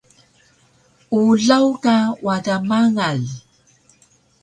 Ulaw ka wada mangal